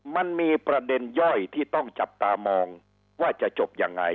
มันมีประเด็นย่อยที่ต้องจับตามองว่าจะจบยังไง